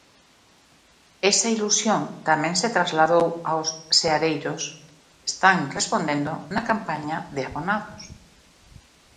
Esa ilusión tamén se trasladou aos seareiros, que están respondendo na campaña de abonados.